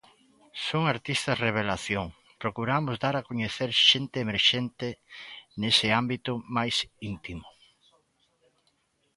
Son artistas revelación, procuramos dar a coñecer xente emerxente nese ámbito máis íntimo.